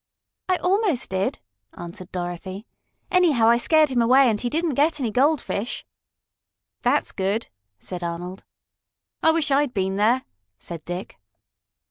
"I almost did," answered Dorothy. "Anyhow, I scared him away, and he didn't get any goldfish." "That's good," said Arnold. "I wish I'd been there!" said Dick.